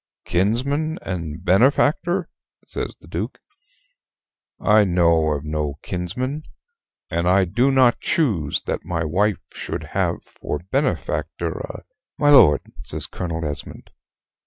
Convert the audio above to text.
"Kinsman and benefactor!" says the Duke. "I know of no kinsman: and I do not choose that my wife should have for benefactor a " "My lord!" says Colonel Esmond.